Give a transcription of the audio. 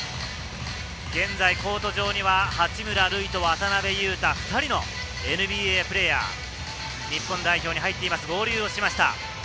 現在、コート上には八村塁と渡邊雄太、２人のＮＢＡプレーヤー日本代表に入っています、合流しています。